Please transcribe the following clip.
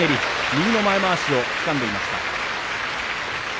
右の前まわしをつかんでいました。